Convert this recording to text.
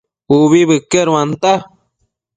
Ubi bëqueduanta